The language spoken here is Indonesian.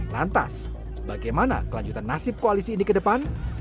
lantas bagaimana kelanjutan nasib koalisi ini ke depan